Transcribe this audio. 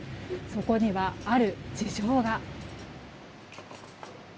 そこには、ある事情が。